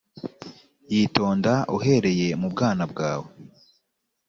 yitonda uhereye mu bwana bwawe